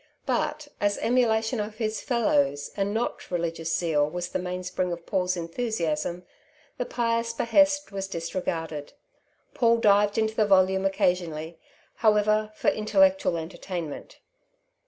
But, as emulation of his fellows and not religious zeal was the mainspring of Paul's enthusiasm, the pious behest was disregarded. Paul dived into the volume occasionally, however, for intellectual entertainment.